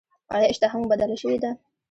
ایا اشتها مو بدله شوې ده؟